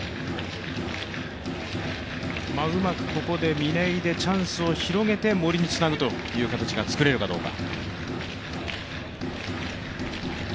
うまくここで嶺井でチャンスを広げて森につなぐという形が作れるかどうか。